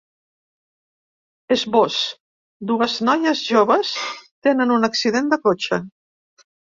Esbós: Dues noies joves tenen un accident de cotxe.